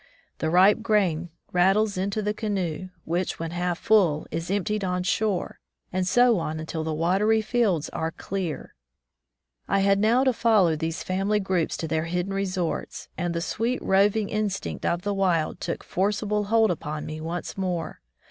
The ripe grain rattles into the canoe, which, when half full, is emptied on shore, and so on until the watery fields are cleared. I had now to follow these family groups to their hidden resorts, and the sweet roving 174 Back to the Woods instinct of the wild took forcible hold upon me once more.